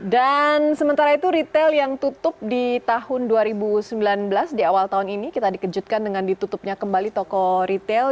dan sementara itu retail yang tutup di tahun dua ribu sembilan belas di awal tahun ini kita dikejutkan dengan ditutupnya kembali toko retail